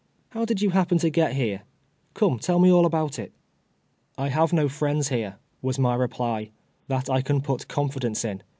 How did you happen to get here ? Come, tell me all about it." " I have no friends here," was my reply, " that I can put confidence in.